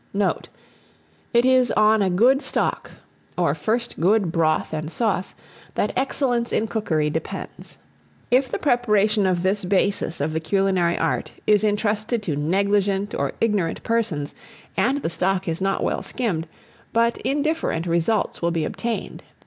Note. It is on a good stock, or first good broth and sauce, that excellence in cookery depends. If the preparation of this basis of the culinary art is intrusted to negligent or ignorant persons, and the stock is not well skimmed, but indifferent results will be obtained.